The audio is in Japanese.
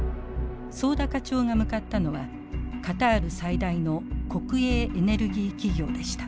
早田課長が向かったのはカタール最大の国営エネルギー企業でした。